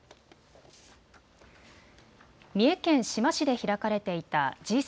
三重県志摩市で開かれていたＧ７・